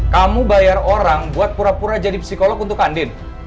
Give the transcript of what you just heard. kamu bayar orang buat pura pura jadi psikolog untuk andin